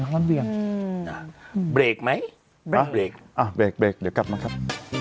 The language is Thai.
เบรกเบรกเดี๋ยวกลับมาครับ